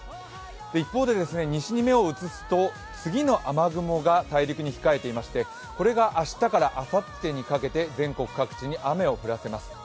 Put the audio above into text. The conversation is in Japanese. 一方で西に目を移すと次の雨雲が大陸に控えていましてこれが明日からあさってにかけて全国各地に雨を降らせます。